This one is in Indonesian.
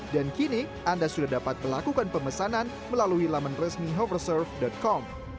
dan kini anda sudah dapat melakukan pemesanan melalui laman resmi hoversurf com